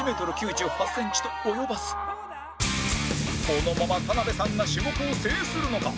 このまま田辺さんが種目を制するのか？